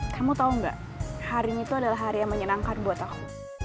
kamu tau gak hari itu adalah hari yang menyenangkan buat aku